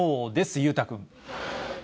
裕太君。